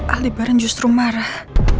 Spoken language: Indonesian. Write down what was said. alibaran justru marah